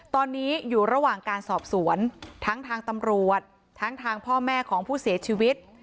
ตอนนี้อยู่ระหว่างการสอบสวนทั้งทางตำรวจทั้งทางพ่อแม่ของผู้เสียชีวิต